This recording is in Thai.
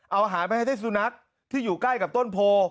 เอาอาหารไปให้ได้สุนัขที่อยู่ใกล้กับต้นโพ